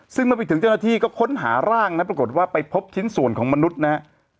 ซึ่งเมื่อไปถึงเจ้าหน้าที่ก็ค้นหาร่างนะปรากฏว่าไปพบชิ้นส่วนของมนุษย์นะฮะ